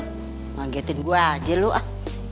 nggagetin gue aja lo ah